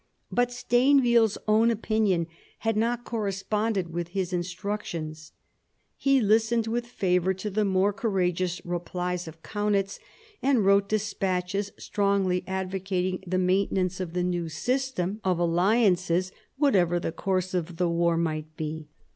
But Stainville's own opinion had not corresponded with his instructions. He listened with favour to the more courageous replies of Kaunitz, and wrote despatches strongly advocating the maintenance of the new system 1757 60 THE SEVEN YEARS* WAR 158 of alliances whatever the course of the war might be.